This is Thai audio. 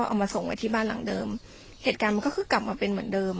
เอามาส่งไว้ที่บ้านหลังเดิมเหตุการณ์มันก็คือกลับมาเป็นเหมือนเดิม